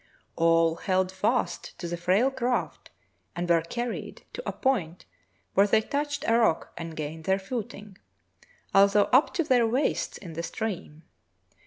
All held fast to the frail craft and were carried to a point where they touched a rock and gained their footing, although up to their waists in the stream.